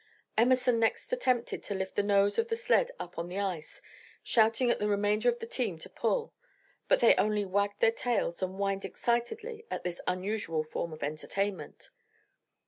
Emerson next attempted to lift the nose of the sled up on the ice, shouting at the remainder of the team to pull, but they only wagged their tails and whined excitedly at this unusual form of entertainment.